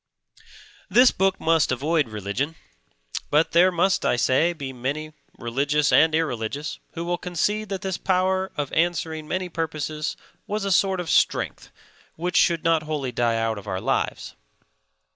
This book must avoid religion, but there must (I say) be many, religious and irreligious, who will concede that this power of answering many purposes was a sort of strength which should not wholly die out of our lives.